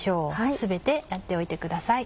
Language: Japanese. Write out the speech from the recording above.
全てやっておいてください。